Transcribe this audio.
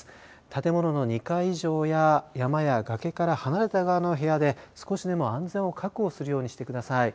建物の２階以上や山や、がけから離れた側の部屋で少しでも安全を確保するにしてください。